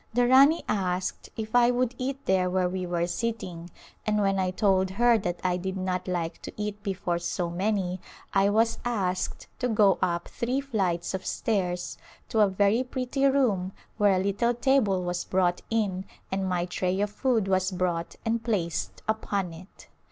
The Rani asked if I would eat there where we were sitting, and when I told her that I did not like to eat before so many I was asked to go up three flights of stairs to a very pretty room where a little table was brought in and my tray of food was brought and placed upon it.